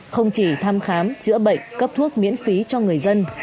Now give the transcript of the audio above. không chỉ thăm khám chữa bệnh cấp thuốc miễn phí cho người dân